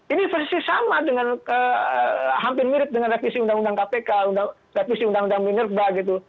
ini persis sama dengan hampir mirip dengan revisi undang undang kpk revisi undang undang minerba gitu